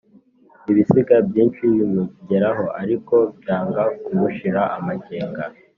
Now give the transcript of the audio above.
Ibisiga byinshi bimugeraho, ariko byanga kumushira amakenga